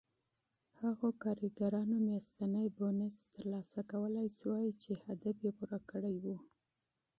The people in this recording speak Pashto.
هغو کارګرانو میاشتنی بونېس ترلاسه کولای شوای چې هدف یې پوره کړی و